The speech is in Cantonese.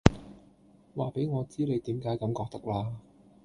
話畀我知你點解咁覺得啦